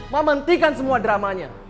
ma mentikan semua dramanya